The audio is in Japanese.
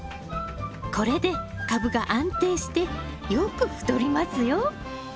これで株が安定してよく太りますよ。